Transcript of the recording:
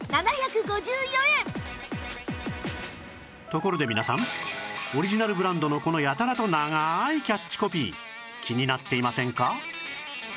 ところで皆さんオリジナルブランドのこのやたらと長ーいキャッチコピー気になっていませんか？